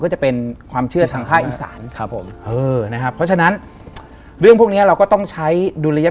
เหมือนลอยอยู่